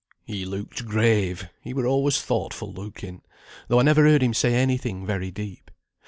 He looked grave; he were always thoughtful looking, though I never heard him say any thing very deep.